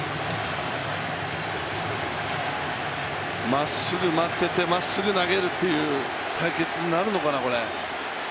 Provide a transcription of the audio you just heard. まっすぐ待ってて、まっすぐ投げるという対決になるのかな。